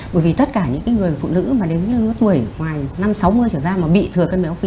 bởi vì tất cả những người phụ nữ mà đến tuổi ngoài năm sáu mươi trở ra mà bị thừa cân đấu phì